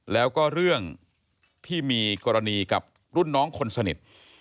แล้วก็เรื่องที่มีกรณีกับรุ่นน้องคนสนิท